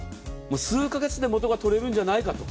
数カ月で元が取れるんじゃないかと。